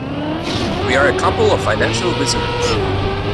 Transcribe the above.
We're a couple of financial wizards.